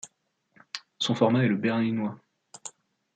Son format est le berlinois.